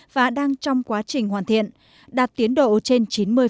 và đang trong quá trình hoàn thiện đạt tiến độ trên chín mươi